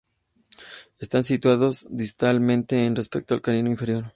Están situados "distal"mente con respecto al canino inferior.